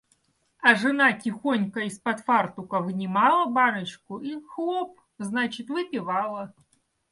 А жена тихонько из-под фартука вынимала баночку и хлоп, значит, выпивала.